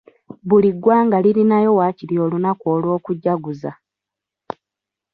Buli ggwanga lirinayo wakiri olunaku olw'okujjaguza.